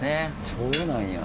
そうなんや。